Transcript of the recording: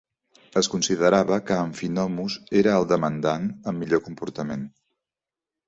Es considerava que Amphinomus era el demandant amb millor comportament.